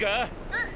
「うん」。